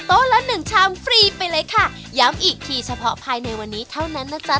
ละหนึ่งชามฟรีไปเลยค่ะย้ำอีกทีเฉพาะภายในวันนี้เท่านั้นนะจ๊ะ